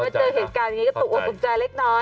เจอเหตุการณ์ที่ก็ตกออกตกใจเล็ก